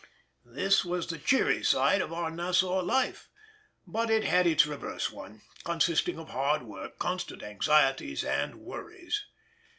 This was the cheery side of our Nassau life, but it had its reverse one, consisting of hard work, constant anxieties and worries.